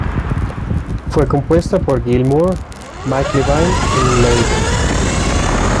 Fue compuesta por Gil Moore, Mike Levine y Mladen.